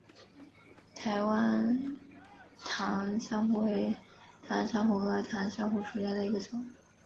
台湾蕈珊瑚为蕈珊瑚科蕈珊瑚属下的一个种。